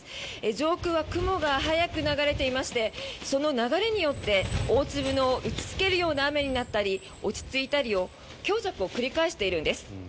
上空は雲が速く流れていましてその流れによって大粒の打ちつけるような雨になったり落ち着いたり強弱を繰り返しているんです。